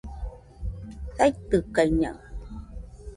saitɨkaɨñaɨ